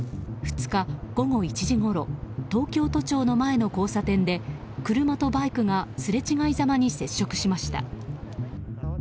２日午後１時ごろ東京都庁の前の交差点で車とバイクがすれ違いざまに接触しました。